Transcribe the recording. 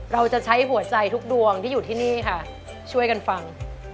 เราจะใช้หัวใจทุกดวงที่อยู่ที่นี่ค่ะช่วยกันฟัง